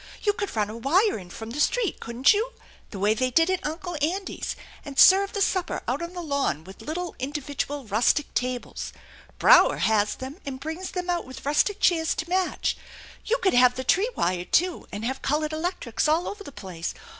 You could run a wire in from the street, couldn't you? the way they did at Uncle Andy's, and serve the supper out on the lawn with little individual rustic tables. Brower has them, and brings them out with rustic chairs to match. You could have the tree wired, too, and have colored electrics all over the place.